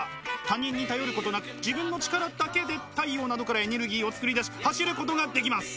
他人に頼ることなく自分の力だけで太陽などからエネルギーを作り出し走ることができます。